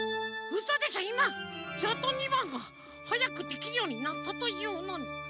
うそでしょいまやっと２ばんがはやくできるようになったというのに。